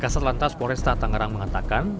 sarlantas foresta tangerang mengatakan